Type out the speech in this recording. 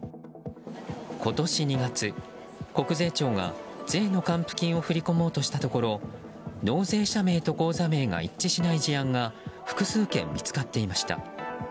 今年２月、国税庁が税の還付金を振り込もうとしたところ納税者名と口座名が一致しない事案が複数件、見つかっていました。